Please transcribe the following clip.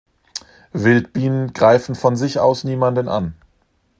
Wildbienen greifen von sich aus niemanden an.